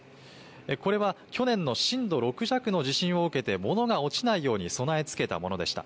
これは去年の震度６弱の地震を受けて物が落ちないように備え付けたものでした。